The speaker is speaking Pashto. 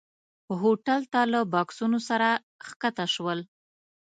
هوټل ته له بکسونو سره ښکته شول.